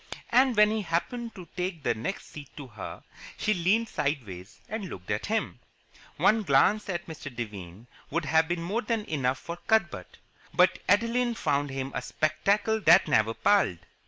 And when he happened to take the next seat to her, she leaned sideways and looked at him. One glance at Mr. Devine would have been more than enough for Cuthbert; but Adeline found him a spectacle that never palled.